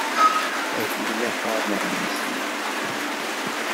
Atni la qqaren aɣmis-nni.